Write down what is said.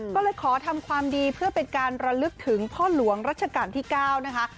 ก็เลยขอทำความดีเพื่อเป็นการระลึกถึงพ่อหลวงรัชกาลที่๙นะคะ